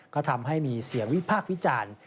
ก็ทำให้มีเสียงวิพากษ์วิจารณ์